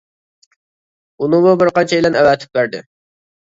ئۇنىمۇ بىر قانچەيلەن ئەۋەتىپ بەردى.